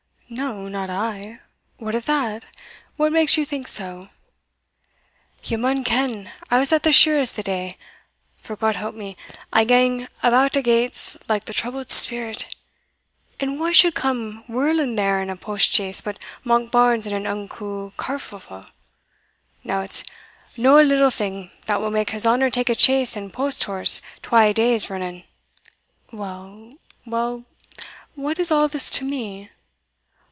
no, not I what of that? what makes you think so?" "Ye maun ken I was at the shirra's the day; for, God help me, I gang about a' gates like the troubled spirit; and wha suld come whirling there in a post chaise, but Monkbarns in an unco carfuffle now, it's no a little thing that will make his honour take a chaise and post horse twa days rinnin'." "Well, well; but what is all this to me?"